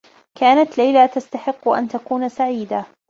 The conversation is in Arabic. كانت ليلى تستحقّ أن تكون سعيدة.